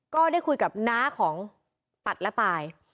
ก็ได้คุยกับน้าของปัดและปาย